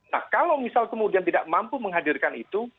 nah kalau misal kemudian tidak mampu menghadirkan itu